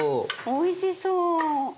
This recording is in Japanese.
おいしそう。